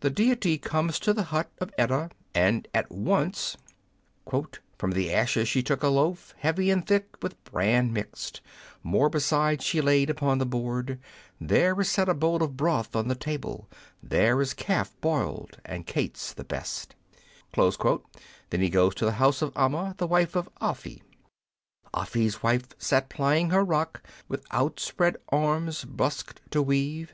The deity comes to the hut of Edda, and at once — 1 09 Curiosities of Olden Times From the ashes she took a loaf, Heavy and thick, with bran mixed ; More beside she laid upon the board ; There is set a bowl of broth on the table ; There is a calf boiled, and cates the best. Then he goes to the house of Amma, the wife of Afi. Afi's wife sat plying her rock With outspread arms, busked to weave.